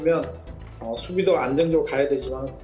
saya juga menarik dari thailand